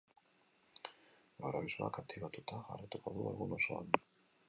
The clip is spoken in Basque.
Gaur abisuak aktibatuta jarraituko du egun osoan.